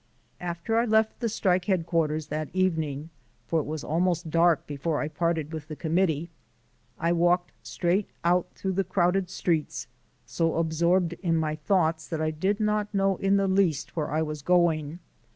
After I left the strike headquarters that evening for it was almost dark before I parted with the committee I walked straight out through the crowded streets, so absorbed in my thoughts that I did not know in the least where I was going.